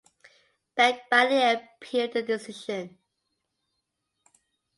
Bank Bali appealed the decision.